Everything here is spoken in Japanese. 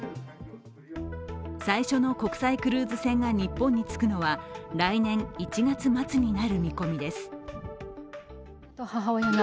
最初の国際クルーズ船が日本に着くのは来年１月末になる見込みです。